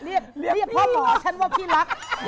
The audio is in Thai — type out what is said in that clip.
เรียกพ่อฉันว่าพี่ลักษณ์